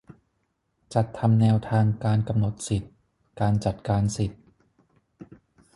จัดทำแนวทางการกำหนดสิทธิ การจัดการสิทธิ